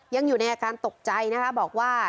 ยังอยู่ในอาการตกใจนะคะบอกว่า